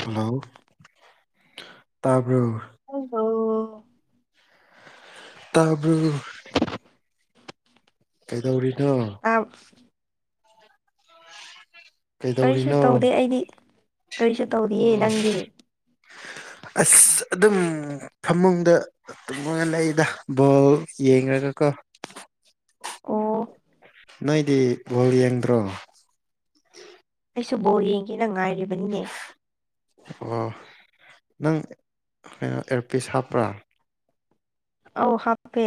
hello ꯇꯥꯕ꯭ꯔꯣ ꯑꯣ ꯍꯣ ꯇꯥꯕꯔꯣ ꯀꯩꯗꯧꯔꯤꯅꯣ ꯑꯞ ꯀꯔꯤꯁꯨ ꯀꯩꯗꯧꯔꯤꯅꯣ ꯇꯧꯗꯦ ꯑꯩꯗꯤ ꯀꯔꯤꯁꯨ ꯇꯧꯔꯤꯌꯦ ꯅꯪꯗꯤ ꯑꯁ ꯑꯗꯨꯝ ꯐꯃꯨꯡꯗ ꯇꯨꯝꯃꯒ ꯂꯩꯗ ꯕꯣꯜ ꯌꯦꯔꯒꯀꯣ ꯑꯣ ꯅꯣꯏꯗꯤ ꯒꯣꯜ ꯌꯦꯡꯗ꯭ꯔꯣ ꯑꯩꯁꯨ ꯕꯣꯜ ꯌꯦꯡꯒꯦꯅ ꯉꯥꯏꯔꯤꯕꯅꯤꯅꯦ ꯑꯣ ꯅꯪ ꯀꯩꯅꯣ ꯑꯦꯌꯔꯄꯤꯁ ꯍꯥꯞꯄ꯭ꯔꯥ ꯑꯧ ꯍꯥꯞꯄꯦ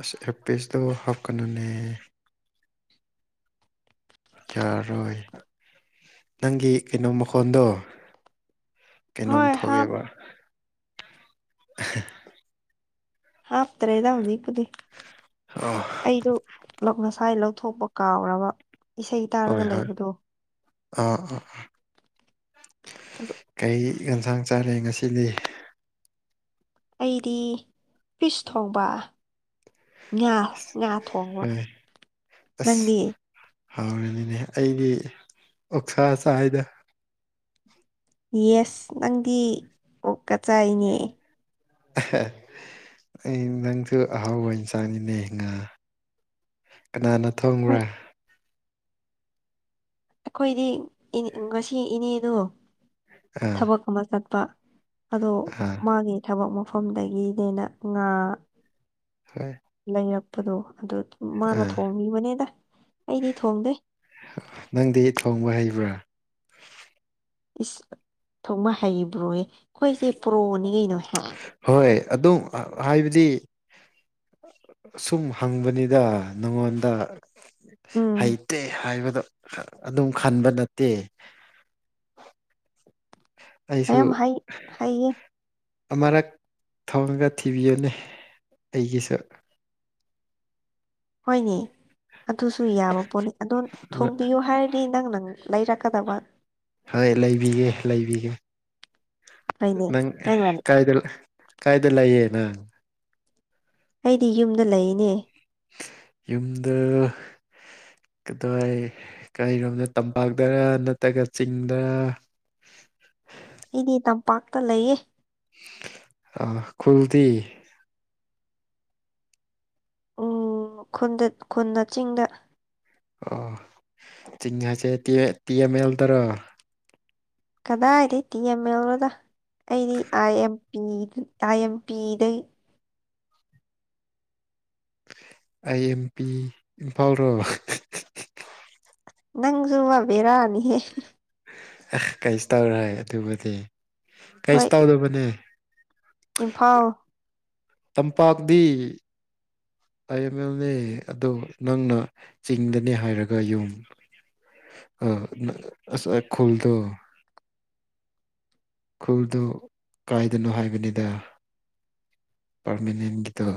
ꯑꯁ ꯑꯦꯌꯔꯄꯤꯁꯇꯣ ꯍꯥꯞꯀꯅꯅꯦ ꯌꯥꯔꯣꯏ ꯅꯪꯒꯤ ꯀꯩꯅꯣ ꯃꯈꯣꯟꯗꯣ ꯀꯩꯅꯣꯝ ꯍꯣꯏ ꯍꯥꯞ ꯊꯣꯛꯑꯦꯕ ꯍꯥꯐꯇꯔꯦꯗ ꯍꯧꯖꯤꯛꯇ ꯑꯣ ꯑꯩꯗꯨꯣ ꯉꯁꯥꯏ ꯂꯧꯊꯣꯛꯄ ꯀꯥꯎꯔꯕ ꯏꯁꯩ ꯇꯥꯔꯒ ꯍꯣꯏ ꯍꯣꯏ ꯂꯩꯕꯗꯣ ꯑꯥ ꯑꯥ ꯑꯥ ꯑꯗꯨ ꯀꯩ ꯌꯦꯟꯁꯥꯡ ꯆꯥꯔꯦ ꯉꯁꯤꯗꯤ ꯑꯩꯗꯤ ꯄꯤꯁ ꯊꯧꯕ ꯉꯥ ꯉꯥ ꯊꯣꯡꯕ ꯍꯣꯏ ꯑꯁ ꯅꯪꯗꯤ ꯍꯥꯎꯔꯅꯤꯅꯦ ꯑꯩꯗꯤ ꯑꯣꯛꯁꯥ ꯁꯥꯏꯗ ꯌꯦꯁ ꯅꯪꯗꯤ ꯑꯣꯛ ꯀꯆꯥꯏꯅꯦ ꯑꯩ ꯅꯪꯁꯨ ꯑꯍꯥꯎꯕ ꯏꯟꯁꯥꯡꯅꯤꯅꯦ ꯉꯥ ꯀꯅꯥꯅ ꯍꯣꯏ ꯊꯣꯡꯕ꯭ꯔꯥ ꯑꯩꯈꯣꯏꯗꯤ ꯉꯁꯤ ꯏꯅꯦꯗꯣ ꯑꯥ ꯊꯕꯛ ꯑꯃ ꯆꯠꯄ ꯑꯗꯣ ꯑꯥ ꯃꯥꯒꯤ ꯊꯕꯛ ꯃꯐꯝꯗꯒꯤꯅꯦꯅ ꯉꯥ ꯍ ꯂꯩꯔꯛꯄꯗꯣ ꯑꯗꯨ ꯃꯥꯅ ꯊꯣꯡꯉꯕꯅꯦꯗ ꯑꯩꯗꯤ ꯊꯣꯡꯗꯦ ꯅꯪꯗꯤ ꯊꯣꯡꯕ ꯍꯩꯕ꯭ꯔꯥ ꯏꯁ ꯊꯣꯛꯃ ꯍꯩꯕ꯭ꯔꯣꯌꯦ ꯑꯩꯈꯣꯏꯁꯦ ꯄ꯭ꯔꯣꯅꯤ ꯀꯩꯅꯣ ꯍꯣꯏ ꯑꯗꯨꯝ ꯍꯥꯏꯕꯗꯤ ꯁꯨꯝ ꯍꯪꯕꯅꯤꯗ ꯅꯉꯣꯟꯗ ꯎꯝ ꯍꯩ ꯇꯦ ꯍꯥꯏꯕꯗꯣ ꯑꯗꯨꯝ ꯈꯟꯕ ꯅꯠꯇꯦ ꯑꯩꯁꯨ ꯌꯥꯝ ꯍꯩ ꯍꯩꯌꯦ ꯑꯃꯔꯛ ꯊꯣꯡꯔꯒ ꯊꯤꯕꯤꯌꯨꯅꯤ ꯑꯩꯒꯤꯁꯨ ꯍꯣꯏꯅꯦ ꯑꯗꯨꯁꯨ ꯌꯥꯕ ꯄꯣꯠꯅꯤ ꯑꯗꯣ ꯊꯣꯡꯕꯤꯌꯨ ꯍꯥꯏꯔꯗꯤ ꯅꯪ ꯅꯪ ꯂꯩꯔꯛꯀꯗꯕ ꯍꯣꯏ ꯂꯩꯕꯤꯒꯦ ꯂꯩꯕꯤꯒꯦ ꯍꯣꯏꯅꯦ ꯅꯪ ꯅꯪꯅ ꯀꯥꯏꯗ ꯀꯥꯏꯗ ꯂꯩꯌꯦꯅ ꯑꯩꯗꯤ ꯌꯨꯝꯗ ꯂꯩꯅꯦ ꯌꯗ ꯀꯗꯋꯥꯏ ꯀꯔꯤꯔꯣꯝꯗ ꯇꯝꯄꯥꯛꯇꯔ ꯅꯠꯇ꯭ꯔꯒ ꯆꯤꯡꯗꯔ ꯑꯩꯗꯤ ꯇꯝꯄꯥꯛꯇ ꯂꯩꯌꯦ ꯑ ꯈꯜꯇ ꯎꯟꯗ ꯈꯨꯟꯅ ꯆꯤꯡꯗ ꯑꯣ ꯆꯤꯡ ꯍꯥꯏꯁꯦ ꯇ ꯇꯤ ꯑꯦꯝ ꯑꯦꯜꯗꯔꯣ ꯀꯗꯥꯏꯗꯒꯤ ꯇꯤ ꯑꯦꯝ ꯑꯦꯜꯔꯗ ꯑꯩꯗꯤ I M P I M ꯄꯤꯗꯩ ꯑꯥꯏ ꯑꯦꯝ ꯄꯤ ꯏꯝꯐꯥꯜ ꯔꯣꯜ ꯅꯪꯁꯨꯨꯝ ꯋꯥꯕꯦꯔꯥꯅꯤꯍꯦ ꯀꯩꯁꯨ ꯇꯧꯔꯦ ꯑꯗꯨꯕꯨꯗꯤ ꯀꯩꯁꯨ ꯍꯣꯏ ꯇꯧꯗꯕꯅꯦ ꯏꯝꯐꯥꯜ ꯇꯝꯄꯥꯛꯗꯤ ꯑꯥꯏ ꯑꯦꯝ ꯑꯦꯦꯝꯅꯦ ꯑꯗꯨ ꯅꯪꯅ ꯆꯤꯡꯗꯅꯦ ꯍꯥꯏꯔꯒ ꯌꯨꯝ ꯑ ꯑꯁ ꯈꯨꯜꯗꯣ ꯈꯨꯔꯗꯨ ꯀꯥꯏꯗꯅꯣ ꯍꯥꯏꯕꯅꯤꯗ ꯄꯔꯃꯅꯦꯟꯒꯤꯗ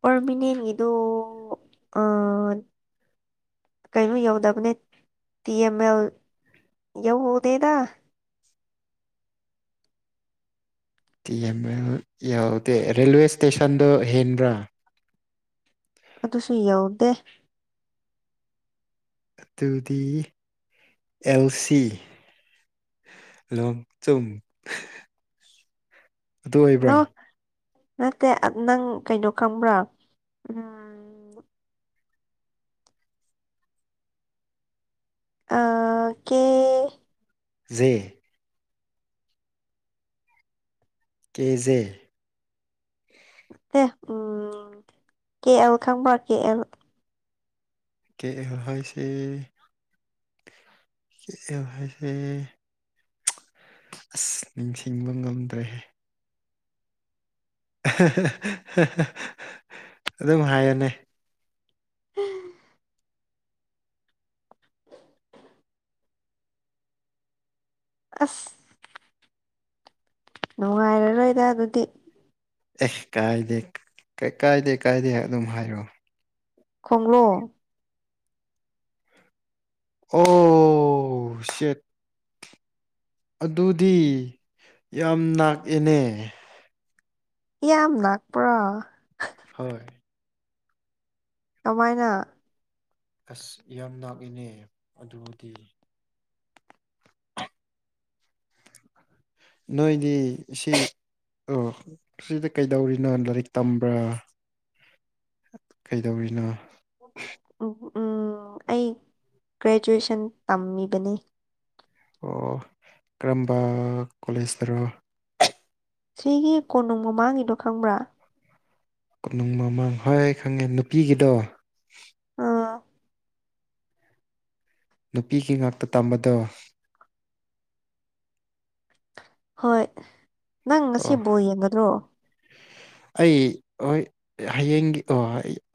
ꯄꯔꯃꯤꯅꯦꯟ ꯏꯗꯨ ꯀꯩꯅꯣ ꯌꯧꯗꯕꯅꯦ ꯇꯤ ꯑꯦꯝ ꯑꯦꯜ ꯌꯧꯍꯧꯗꯦꯗ ꯇꯤ ꯑꯦꯝ ꯑꯦꯜ ꯌꯥꯎꯗꯦ ꯔꯦꯜꯋꯦ ꯏꯁꯇꯦꯁꯟꯗꯣ ꯍꯦꯟꯕ꯭ꯔꯥ ꯑꯗꯨꯁꯨ ꯌꯥꯎꯗꯦ ꯑꯗꯨꯗꯤ ꯑꯦꯜ ꯁꯤ ꯂꯣꯡ ꯆꯨꯝ ꯑꯗꯨ ꯑꯣꯏꯕ꯭ꯔꯥ ꯅꯣ ꯅꯠꯇꯦ ꯅꯪ ꯀꯩꯅꯣ ꯈꯪꯕ꯭ꯔꯥ ꯎꯝ ꯑ ꯀꯦ ꯦ ꯀꯖꯦ ꯑꯦꯦ ꯎꯝ ꯀꯦ ꯑꯦꯜ ꯈꯪꯕ꯭ꯔ ꯀꯦ ꯑꯦꯜ ꯀꯦ ꯑꯦꯁ ꯀꯦ ꯑꯦꯁꯦ ꯑꯁ ꯅꯤꯡꯁꯤꯡꯕ ꯉꯝꯗ꯭ꯔꯦꯍꯦ ꯑꯗꯨꯝ ꯍꯥꯏꯌꯦꯅꯦ ꯎꯝ ꯑꯁ ꯅꯨꯡꯉꯥꯏꯔꯔꯣꯏꯗ ꯑꯗꯨꯗꯤ ꯑꯦ ꯀꯥꯏꯗꯦ ꯀꯥꯏꯗꯦ ꯀꯥꯏꯗꯦ ꯑꯗꯨꯝ ꯍꯥꯏꯔꯛꯑꯣ ꯈꯪꯂꯣ ꯑꯣ ꯁꯦꯠ ꯑꯗꯨꯗꯤ ꯌꯥꯝ ꯥꯛꯑꯦꯅꯦ ꯌꯥꯝ ꯂꯥꯛꯄ꯭ꯔꯣ ꯍꯣꯏ ꯀꯃꯥꯏꯅ ꯑꯁ ꯌꯥꯝ ꯂꯥꯛꯏꯅꯦ ꯑꯗꯨꯕꯨꯗꯤ ꯅꯣꯏꯗꯤ ꯁꯤ ꯑꯣ ꯁꯤꯗꯤ ꯀꯩꯗꯧꯔꯤꯅꯣ ꯂꯥꯏꯔꯤꯛ ꯇꯝꯕ꯭ꯔꯥ ꯀꯩꯗꯧꯔꯤꯅꯣ ꯎ ꯑꯩ ꯒ꯭ꯔꯦꯖꯨꯑꯦꯁꯟ ꯇꯝꯃꯤꯕꯅꯤ ꯑꯣ ꯀꯔꯝꯕ ꯀꯣꯂꯦꯖꯇꯔꯣ ꯁꯤꯒꯤ ꯀꯣꯅꯨꯡ ꯃꯃꯥꯡꯉꯗꯣ ꯈꯪꯕ꯭ꯔꯥ ꯀꯣꯅꯨꯡ ꯃꯃꯥꯡ ꯍꯣꯏ ꯈꯪꯉꯦ ꯅꯨꯄꯤꯒꯤꯗꯣ ꯑꯥ ꯅꯨꯄꯤꯒꯤ ꯉꯥꯛꯇ ꯇꯝꯕꯗꯣ ꯍꯣꯏ ꯅꯪ ꯑꯣ ꯉꯁꯤꯕꯨꯣ ꯌꯦꯡꯒꯗ꯭ꯔꯣ ꯑꯩ ꯍꯣꯏ ꯍꯌꯦꯡꯒꯤ ꯑꯣ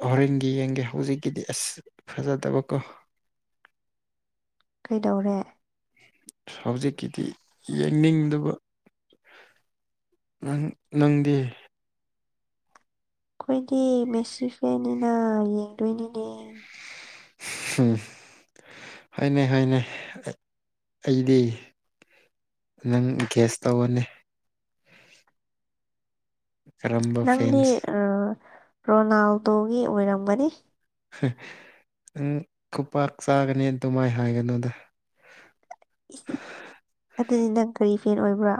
ꯍꯣꯔꯦꯟꯒꯤ ꯌꯦꯡꯒꯦ ꯍꯧꯖꯤꯛꯀꯤꯗꯤ ꯑꯁ ꯐꯖꯗꯕꯀꯣ ꯀꯩꯗꯧꯔꯦ ꯍꯧꯖꯤꯛꯀꯤꯗꯤ ꯌꯦꯡꯅꯤꯡꯗꯕ ꯅꯪ ꯅꯪꯗꯤ ꯑꯩꯈꯣꯏꯗꯤ ꯃꯦꯁꯤꯈ꯭ꯔꯦꯅꯤꯅ ꯌꯦꯡꯗꯣꯏꯅꯤꯅꯦ ꯎꯝ ꯍꯥꯏꯅꯦꯩ ꯍꯥꯏꯅꯦ ꯑꯩꯗꯤ ꯅꯪ ꯒ꯭ꯌꯥꯁ ꯇꯧꯔꯅꯤ ꯀꯔꯝꯕ ꯅꯪꯗꯤ ꯐꯦꯟꯁ ꯔꯣꯅꯥꯜꯗꯣꯒꯤ ꯑꯣꯏꯔꯝꯕꯅꯤ ꯅꯪ ꯈꯨꯄꯥꯛꯥꯛ ꯆꯥꯒꯅꯦꯅ ꯑꯗꯨꯃꯥꯏ ꯍꯥꯏꯒꯅꯣꯗ ꯑꯗꯨꯗꯤ ꯅꯪ ꯀꯔꯤ ꯐꯦꯟ ꯑꯣꯏꯕ꯭ꯔꯥ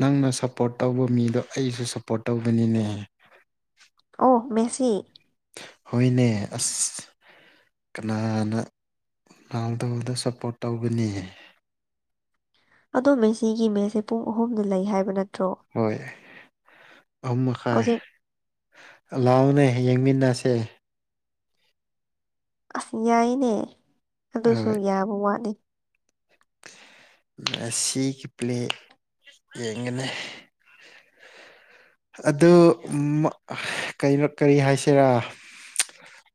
ꯅꯪꯅ ꯁꯞꯄꯣꯔꯠ ꯇꯧꯕ ꯃꯤꯗꯣ ꯑꯩꯁꯨ ꯁꯞꯄꯣꯔꯠ ꯇꯧꯕꯅꯤꯅꯦ ꯑꯣ ꯃꯦꯁꯤ ꯍꯅꯦ ꯑꯁ ꯀꯅꯥꯅ ꯂꯥꯡꯗꯧꯗ ꯁꯞꯄꯣꯔꯠ ꯇꯧꯒꯅꯤ ꯑꯗꯣꯝꯃꯦ ꯁꯤꯒꯤ ꯃꯦꯁꯦ ꯄꯨꯡ ꯑꯍꯨꯝꯗ ꯂꯩ ꯍꯥꯏꯕ ꯅꯠꯇꯦ ꯍꯣꯏ ꯑꯍꯨꯝ ꯃꯈꯥꯏ ꯍꯧꯖꯤꯛ ꯂꯥꯎꯅ ꯌꯦꯡꯃꯤꯟꯅꯁꯦ ꯑꯁ ꯌꯥꯏꯅꯦ ꯑꯗꯨꯁꯨ ꯌꯥꯕ ꯋꯥꯠꯂ ꯃꯦꯁꯤ ꯀꯤ ꯄ꯭ꯂꯦ ꯌꯦ ꯑꯗꯨ ꯀꯩꯅꯣ ꯀꯔꯤ ꯍꯥꯏꯁꯤꯔꯥ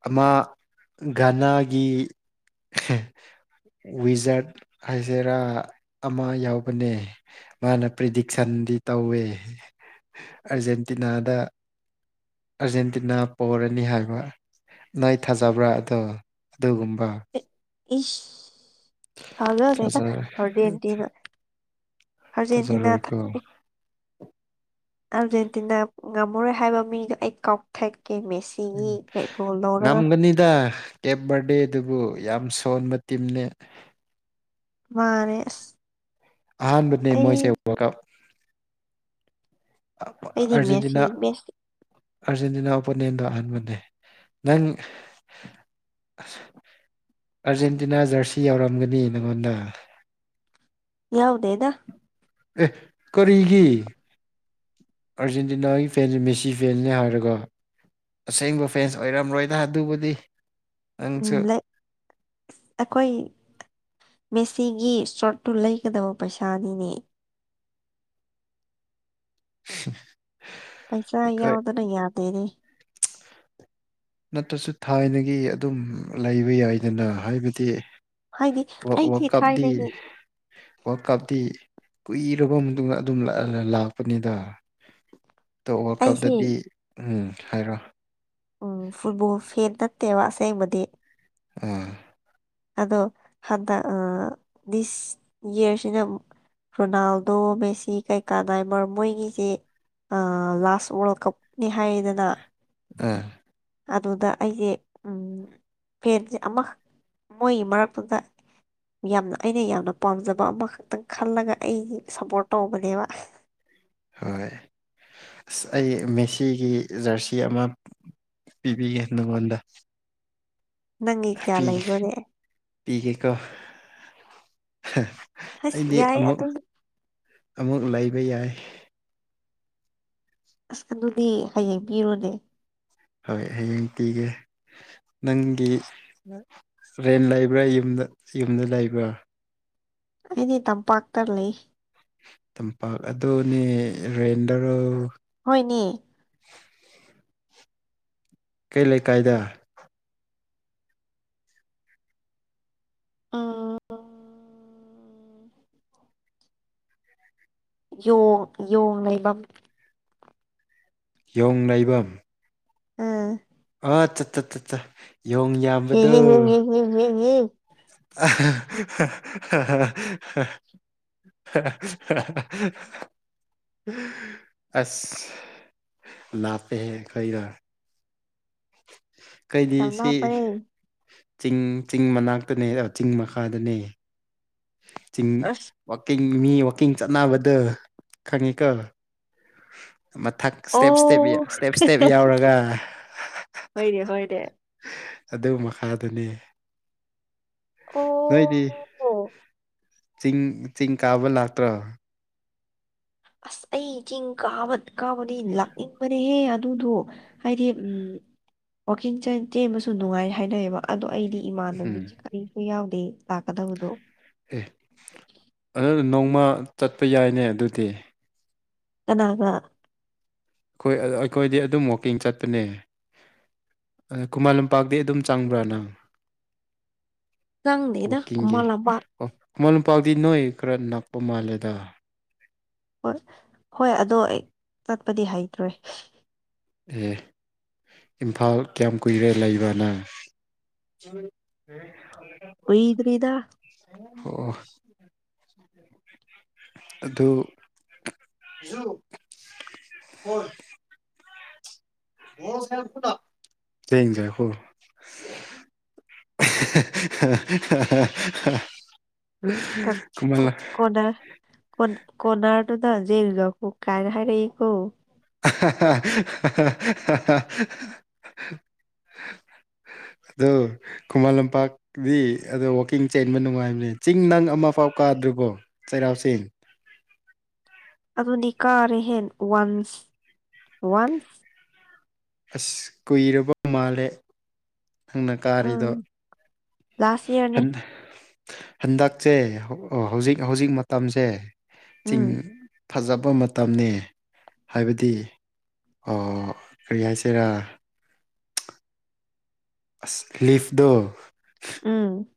ꯑꯃ ꯒꯅꯥꯒꯤ ꯋꯤꯖꯥꯔꯠ ꯍꯥꯏꯖꯦꯔꯥ ꯑꯃ ꯌꯥꯎꯕꯅꯦ ꯃꯥꯅ ꯄ꯭ꯔꯤꯗꯤꯛꯁꯟꯗꯤ ꯇꯧꯋꯦ ꯑꯔꯖꯦꯟꯇꯤꯅꯥꯗ ꯑꯥꯔꯖꯦꯟꯇꯤꯅꯥ ꯄꯔꯅꯤ ꯍꯥꯏꯕ ꯅꯥꯣꯏ ꯊꯥꯖꯕ꯭ꯔꯥ ꯑꯗꯣ ꯑꯗꯨꯒꯨꯝꯕ ꯏꯐ ꯊꯖꯩꯗ ꯑꯔꯖꯦꯟꯦꯟꯇꯤꯅꯥ ꯑꯔꯖꯦꯟꯇꯤꯅꯥ ꯊ ꯊꯥꯖꯔꯣꯏꯀꯣ [unintelligible] ꯑꯥꯔꯖꯦꯟꯇꯤꯅꯥ ꯉꯝꯃꯔꯣꯏ ꯍꯥꯏꯕ ꯃꯤꯗꯣ ꯑꯩ ꯀꯥꯎꯊꯀꯦ ꯃꯤꯁ ꯎꯝ ꯉꯝꯒꯅꯤꯗ ꯀꯦꯞ ꯕꯔꯗꯦ ꯑꯗꯨꯕꯨ ꯌꯥꯝ ꯁꯣꯟꯕ ꯇꯤꯝꯅꯦ ꯃꯥꯅꯦꯦ ꯑꯍꯥꯟꯕꯅꯦ ꯃꯣꯏꯁꯦ ꯋꯥꯔꯜ ꯀꯞ ꯑ ꯑꯩꯗꯤ ꯃꯦꯁꯤ ꯑꯔꯖꯦꯟꯇꯤꯅꯥ ꯃꯦꯁꯤ ꯑꯔꯖꯦꯟꯇꯤꯅꯥ ꯑꯣꯄꯣꯅꯦꯟꯗ ꯍꯟꯕꯅꯦ ꯅꯪ ꯑꯁ ꯑꯔꯖꯦꯟꯇꯤꯅꯥ ꯖꯔꯁꯤ ꯌꯥꯎꯔꯝꯒꯅꯤ ꯅꯪꯉꯣꯟꯗ ꯌꯥꯎꯗꯦꯗ ꯑꯦ ꯀꯔꯤꯒꯤ ꯑꯥꯔꯖꯦꯟꯇꯤꯅꯥꯒꯤ ꯐꯦꯟꯁꯦ ꯃꯦꯁꯤ ꯐꯦꯟꯅꯤ ꯍꯥꯏꯔꯒ ꯑꯁꯦꯡꯕ ꯐꯦꯟꯁ ꯑꯣꯏꯔꯝꯔꯣꯏꯗ ꯑꯗꯨꯕꯨꯗꯤ ꯅꯪꯁꯨ ꯎꯝ ꯂꯩ ꯑꯩꯈꯣꯏ ꯃꯦꯁꯤꯒꯤ ꯁꯣꯔꯠꯇꯨ ꯂꯩꯒꯗꯕ ꯄꯩꯁꯥꯅꯤꯅꯦ [unintelligible] ꯄꯩꯁꯥ ꯑꯩꯈꯣꯏ ꯌꯥꯎꯗꯅ ꯌꯥꯗꯦꯅꯦ ꯅꯠꯇꯁꯨ ꯊꯥꯏꯅꯒꯤ ꯑꯗꯨꯝ ꯂꯩꯕ ꯌꯥꯏꯗꯅ ꯍꯥꯏꯕꯗꯤ ꯍꯥꯏꯗꯤ ꯋꯥ ꯋꯥ ꯑꯩꯁꯦ ꯀꯞꯗꯤ ꯊꯥꯏꯅꯒꯤ ꯋꯥꯔꯜ ꯀꯞꯇꯤ ꯀꯨꯏꯔꯕ ꯃꯇꯨꯡꯗ ꯑꯗꯨꯝ ꯂ ꯂ ꯂꯥꯛꯄꯅꯤꯗ [inaudible] ꯇꯣ ꯋꯥꯔꯜ ꯑꯩꯁꯦ ꯀꯞꯗꯗꯤ ꯎꯝ ꯍꯥꯏꯔꯣ ꯎꯝ ꯐꯨꯠꯕꯣꯜ ꯐꯦꯟ ꯅꯠꯇꯦꯕ ꯑꯁꯦꯡꯕꯗꯤ ꯑꯥ ꯑꯗꯣ ꯍꯟꯗꯛ ꯑ ꯗꯤꯁ ꯏꯌ꯭ꯔꯁꯤꯅ ꯑꯃꯨꯛ ꯔꯣꯅꯥꯜꯗꯣ ꯃꯦꯁꯤ ꯀꯩꯀꯥ ꯅꯥꯏꯃꯥꯔ ꯃꯣꯏꯒꯤꯁꯦ ꯑꯥ ꯂꯥꯁ ꯋꯥꯔꯜ ꯀꯞ ꯅꯤ ꯍꯥꯏꯌꯦꯗꯅ ꯑ ꯑꯗꯨꯗ ꯑꯩꯁꯦ ꯎꯝ ꯐꯦꯟꯁꯦ ꯑꯃꯈꯛ ꯃꯣꯏꯒꯤ ꯃꯔꯛꯇꯨꯗ ꯌꯥꯝꯅ ꯑꯩꯅ ꯌꯥꯝꯅ ꯄꯥꯝꯖꯕ ꯑꯃꯈꯛꯇꯪ ꯈꯜꯂꯒ ꯑꯩꯖꯦ ꯁꯞꯄꯣꯔ꯭ꯠ ꯇꯧꯕꯅꯦꯕ ꯍꯣꯏ ꯑꯁ ꯑꯩ ꯃꯦꯁꯤꯒꯤ ꯖ꯭ꯔꯁꯤ ꯑꯃ ꯄꯤꯕꯤꯒꯦ ꯅꯪꯉꯣꯟꯗ ꯅꯪꯒꯤ ꯀꯌꯥ ꯄꯤꯒꯦ ꯂꯩꯕ꯭ꯔꯣꯅꯦ ꯄꯤꯒꯦꯀꯣ ꯑꯁ ꯑꯩꯗꯤ ꯌꯥꯏ ꯑꯃꯨꯛ ꯑꯗꯨ ꯑꯃꯨꯛ ꯂꯩꯕ ꯌꯥꯏ ꯑꯁ ꯑꯗꯨꯗꯤ ꯍꯌꯦꯡ ꯄꯤꯔꯣꯅꯦ ꯍꯣꯏ ꯍꯌꯦꯡ ꯄꯤꯒꯦ ꯅꯪꯒꯤ ꯔꯦꯟ ꯂꯩꯕ꯭ꯔꯥ ꯌꯨꯝꯗ ꯌꯨꯝꯗ ꯂꯩꯕ꯭ꯔꯥ ꯑꯩꯗꯤ ꯇꯝꯄꯥꯛꯇ ꯂꯩ ꯇꯝꯄꯥꯛ ꯑꯗꯨꯅꯦ ꯔꯦꯟꯗꯔꯣ ꯍꯣꯏꯅꯦ ꯀꯩ ꯂꯩꯀꯥꯏꯗ ꯎꯝ ꯎꯝ ꯌꯣꯡ ꯌꯣꯡ ꯂꯩꯕꯝ ꯌꯣꯡ ꯂꯩꯩꯕꯝ ꯎꯝ ꯑ ꯆꯠ ꯆꯠ ꯆꯠ ꯆꯥ ꯌꯣꯡ ꯍꯦ ꯌꯥꯝꯕꯗꯣ ꯍꯦ ꯍꯦꯡ ꯍꯦꯡ ꯍꯦꯡ ꯍꯦꯡ ꯍꯦꯡ [unintelligible] ꯑꯁ ꯂꯥꯞꯄꯦꯍꯦ ꯑꯩꯈꯣꯏꯒ ꯀꯩꯗꯤ ꯌꯥꯝ ꯁꯤ ꯂꯥꯞꯄꯅꯦ ꯆꯤꯡ ꯆꯤꯡ ꯃꯅꯥꯛꯇꯅꯦ ꯆꯤꯡ ꯃꯈꯥꯗꯅꯦ ꯆꯤꯡ ꯑꯁ ꯋꯥꯛꯀꯤꯡ ꯃꯤ ꯋꯥꯛꯀꯤꯡ ꯆꯠꯅꯕꯗꯨ ꯈꯪꯉꯤꯀꯣ ꯃꯊꯛ ꯏꯁꯇꯦꯞ ꯏꯁꯇꯦꯞꯕꯤꯌꯥ ꯑꯣ ꯏꯁꯇꯦꯞ ꯏꯁꯇꯦꯞ ꯌꯥꯎꯔꯒ ꯍꯣꯏꯅꯦ ꯍꯣꯏꯅꯦ ꯑꯗꯨ ꯃꯈꯥꯗꯅꯤ ꯑꯣ ꯅꯣꯏꯗꯤ ꯆꯤꯡ ꯆꯤꯡ ꯀꯥꯕ ꯂꯥꯛꯇ꯭ꯔꯣ ꯑꯁ ꯑꯩ ꯆꯤꯡ ꯀꯥꯕ ꯀꯥꯕꯗꯤ ꯂꯥꯛꯅꯤꯡꯕꯅꯦꯍꯦ ꯑꯗꯨꯗꯣ ꯍꯥꯏꯗꯤ ꯎꯝ ꯋꯥꯛꯀꯤꯡ ꯆꯦꯟ ꯆꯦꯟꯕꯁꯨ ꯅꯨꯡꯉꯥꯏ ꯍꯥꯏꯅꯩꯌꯦꯕ ꯑꯗꯣ ꯑꯩꯗꯤ ꯎꯝ ꯏꯃꯥꯟꯅꯕꯤꯒꯤ ꯀꯔꯤꯁꯨ ꯌꯥꯎꯗꯦ ꯂꯥꯛꯀꯗꯕꯗꯣ ꯑꯦ ꯑꯗꯨ ꯅꯣꯡꯃ ꯆꯠꯄ ꯌꯥꯏꯅꯦ ꯑꯗꯨꯗꯤ ꯀꯅꯥꯒ ꯑꯩꯈꯣꯏ ꯑꯩꯈꯣꯏꯗꯤ ꯑꯗꯨꯝ ꯋꯥꯛꯀꯤꯡ ꯆꯠꯄꯅꯦ ꯑ ꯈꯨꯃꯟ ꯂꯝꯄꯥꯛꯇꯤ ꯑꯗꯨꯝ ꯆꯪꯕ꯭ꯔꯥ ꯅꯪ ꯆꯡꯗꯦꯗ ꯋꯥꯛꯀꯤꯡꯒꯤ ꯀꯨꯃꯟ ꯂꯝꯄꯥꯛ ꯑꯣ [unintelligible] ꯅꯣꯏ ꯈꯔ ꯅꯛꯄ ꯃꯥꯜꯂꯦꯗ ꯍꯣꯏ ꯍꯣꯏ ꯑꯗꯣ ꯑꯩ ꯆꯠꯄꯗꯤ ꯍꯩꯇ꯭ꯔꯦ ꯑꯦ ꯏꯝꯐꯥꯜ ꯀꯌꯥꯝ ꯀꯨꯏꯔꯦ ꯂꯩꯕꯅꯪ [unintelligible] ꯀꯨꯏꯗꯔꯤꯗ ꯑꯣ ꯑꯗꯨ [unintelligible] [unintelligible] [inaudible] [inaudible] ꯀ ꯀꯃꯜ ꯀꯣꯅ [unintelligible] ꯀꯣꯟ ꯀꯅꯔ ꯇꯗꯖꯦꯒ ꯀꯨ ꯀꯥꯏꯅ ꯍꯥꯏꯥꯏꯔꯀꯣ [unintelligible] [unintelligible] [inaudible] [inaudible] ꯑꯗꯣ ꯈꯨꯃꯟ ꯂꯝꯄꯥꯛꯗꯤ ꯑꯗꯣ ꯋꯥꯛꯀꯤꯡ ꯆꯦꯟꯕ ꯅꯨꯡꯉꯥꯏꯕꯅꯦ ꯆꯤꯡ ꯅꯪ ꯑꯃ ꯐꯥꯎ ꯀꯥꯗ꯭ꯔꯤꯕꯣ ꯆꯩꯔꯥꯎ ꯆꯦꯡ ꯑꯗꯨꯗꯤ ꯀꯥꯔꯦ ꯍꯦꯟ ꯋꯥꯟꯁ ꯋꯥꯟꯁ ꯑꯁ ꯀꯨꯏꯔꯕ ꯃꯥꯜꯂꯦ ꯅꯪꯅ ꯀꯥꯔꯤꯗꯣ ꯎꯝ ꯂꯥꯁ ꯏꯌꯥꯔꯅꯤ ꯍꯟꯗ ꯍꯟꯗꯛꯁꯦ ꯍꯧꯖꯤꯛ ꯍꯧꯖꯤꯛ ꯃꯇꯝꯁꯦ ꯆꯤꯡ ꯎꯝ ꯐꯖꯕ ꯃꯇꯝꯅꯦ ꯍꯥꯏꯕꯗꯤ ꯑꯣ ꯀꯔꯤ ꯍꯥꯏꯁꯤꯔꯥ ꯑꯁ ꯂꯤꯞꯗꯣ ꯎꯝ